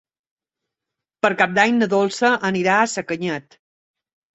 Per Cap d'Any na Dolça anirà a Sacanyet.